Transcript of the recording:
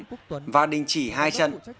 nguyễn quốc tuấn và đình chỉ hai trận